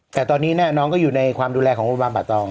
แต่ตอนนี้น่ะน้องก็อยู่ในความดูแลของบางบาตรอง